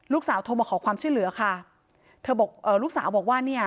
โทรมาขอความช่วยเหลือค่ะเธอบอกเอ่อลูกสาวบอกว่าเนี่ย